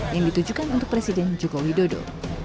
yang ditujukan untuk presiden joko widodo